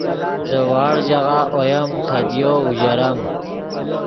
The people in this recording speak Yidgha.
دے وڑغ ژاغہ اویم خدیو اوژرم